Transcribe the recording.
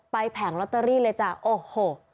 แผงลอตเตอรี่เลยจ้ะโอ้โห